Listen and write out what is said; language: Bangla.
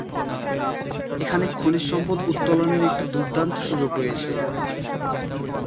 এখানে খনিজ সম্পদ উত্তোলনের একটি দুর্দান্ত সুযোগ রয়েছে।